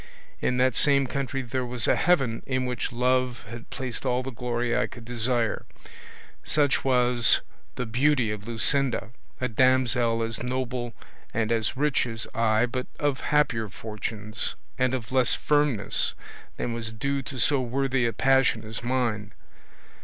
In that same country there was a heaven in which love had placed all the glory I could desire; such was the beauty of Luscinda, a damsel as noble and as rich as I, but of happier fortunes, and of less firmness than was due to so worthy a passion as mine.